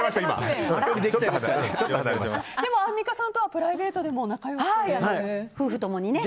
でも、アンミカさんとはプライベートでも夫婦ともにね。